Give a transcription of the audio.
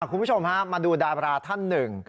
คุณผู้ชมฮะมาดูดาบราท่านหนึ่ง